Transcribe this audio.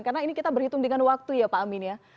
karena ini kita berhitung dengan waktu ya pak amin ya